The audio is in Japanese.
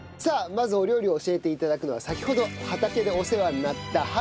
まずお料理を教えて頂くのは先ほど畑でお世話になった原田さんの奥様です。